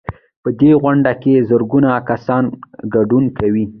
په دې غونډه کې زرګونه کسان ګډون کوي.